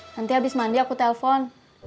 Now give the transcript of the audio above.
nanti habis mandi aku telpon